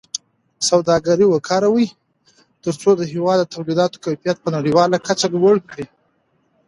سوداګري وکاروئ ترڅو د هېواد د تولیداتو کیفیت په نړیواله کچه لوړ کړئ.